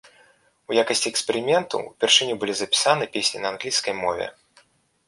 У якасці эксперыменту ўпершыню былі запісаны песні на англійскай мове.